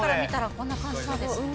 こんな感じなんですね。